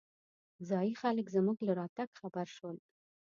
ځايي خلک زمونږ له راتګ خبر شول.